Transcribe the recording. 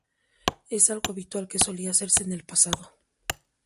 Es algo habitual que solía hacerse en el pasado.